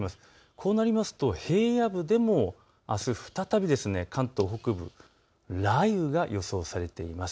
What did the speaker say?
こうなりますと平野部でもあす再び関東北部、雷雨が予想されています。